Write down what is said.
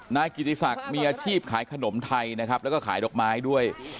นายกิติศักดิ์มีอาชีพขายขนมไทยนะครับแล้วก็ขายดอกไม้ด้วย